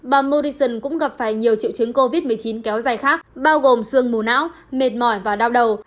bà morrison cũng gặp phải nhiều triệu chứng covid một mươi chín kéo dài khác bao gồm xương mù não mệt mỏi và đau đầu